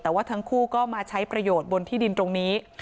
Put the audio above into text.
แต่ว่าทั้งคู่ก็มาใช้ประโยชน์บนที่ดินตรงนี้